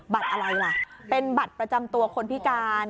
อะไรล่ะเป็นบัตรประจำตัวคนพิการ